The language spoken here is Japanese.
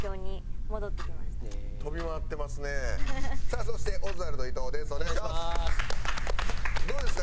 さあそしてオズワルド伊藤です。